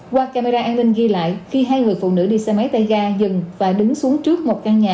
qua camera an ninh ghi lại khi hai người phụ nữ đi xe máy tay ga dừng và đứng xuống trước một căn nhà